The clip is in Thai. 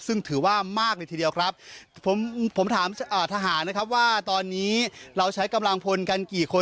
ซึ่งถือว่ามากเลยทีเดียวครับผมผมถามทหารนะครับว่าตอนนี้เราใช้กำลังพลกันกี่คน